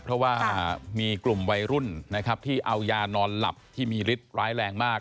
เพราะว่ามีกลุ่มวัยรุ่นนะครับที่เอายานอนหลับที่มีฤทธิ์ร้ายแรงมาก